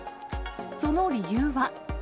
その理由は。